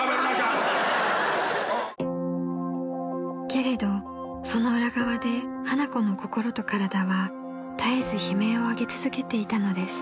［けれどその裏側で花子の心と体は絶えず悲鳴を上げ続けていたのです］